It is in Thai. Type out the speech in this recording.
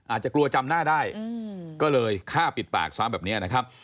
อาจจะกลัวจำหน้าได้ก็เลยฆ่าปิดปากซ้ำแบบนี้นะครับ